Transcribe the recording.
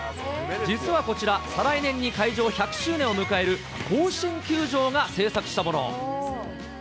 実はこちら、再来年に開場１００周年を迎える、甲子園球場が制作したもの。